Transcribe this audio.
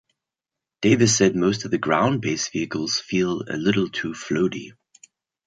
Davis said most of the ground-based vehicles feel a little too floaty.